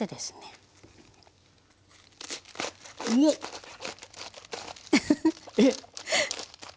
えっ！